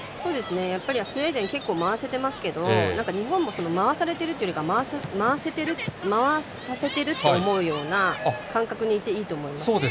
やっぱりスウェーデン結構、回せてますけど日本も回されてるというか回させてると思うような感覚にいていいと思います。